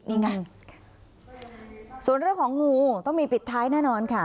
นี่ไงส่วนเรื่องของงูต้องมีปิดท้ายแน่นอนค่ะ